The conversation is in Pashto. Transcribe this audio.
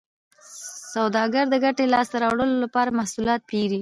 سوداګر د ګټې لاسته راوړلو لپاره محصولات پېري